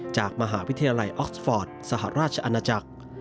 จากมหาวิทยาลัยออกสฟอร์ตสหราชอาณาจักร